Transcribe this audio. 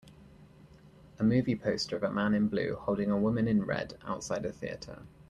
A movie poster of a man in blue holding a woman in red outside a theater